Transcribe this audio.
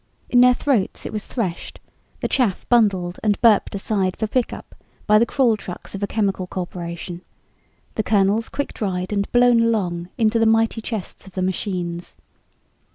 In their throats, it was threshed, the chaff bundled and burped aside for pickup by the crawl trucks of a chemical corporation, the kernels quick dried and blown along into the mighty chests of the machines.